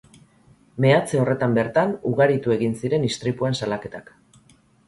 Meatze horretan bertan ugaritu egin ziren istripuen salaketak.